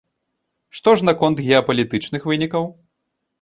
Што ж наконт геапалітычных вынікаў?